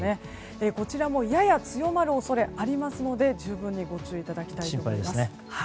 こちらもやや強まる恐れがありますので十分に、ご注意いただきたいと思います。